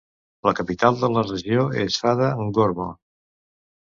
La capital de la regió és Fada N'Gourma.